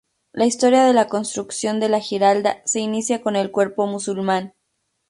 La historia de la construcción de la Giralda se inicia con el cuerpo musulmán.